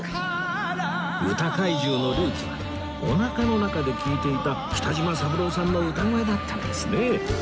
歌怪獣のルーツはおなかの中で聴いていた北島三郎さんの歌声だったんですね